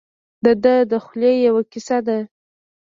دده د خولې یوه کیسه ده.